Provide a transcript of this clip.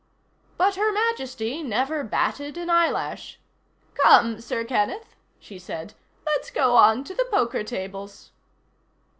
But Her Majesty never batted an eyelash. "Come, Sir Kenneth," she said. "Let's go on to the poker tables."